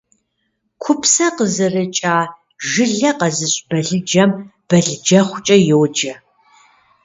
Купсэ къызэрыкӏа, жылэ къэзыщӏ балыджэм балыджэхъукӏэ йоджэ.